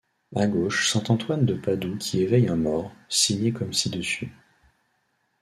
À gauche, saint Antoine de Padoue qui éveille un mort, signé comme ci-dessus.